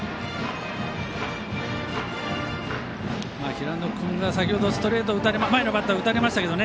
平野君は先ほどストレート前のバッターに打たれましたけど。